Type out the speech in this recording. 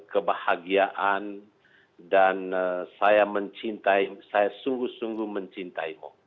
kebahagiaan dan saya mencintai saya sungguh sungguh mencintaimu